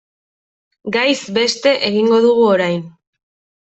Gaiz beste egingo dugu orain.